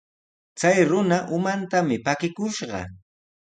Chay runa umantami pakikushqa.